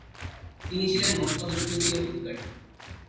তিনি ছিলেন মসনদের তৃতীয় উত্তরাধিকারী।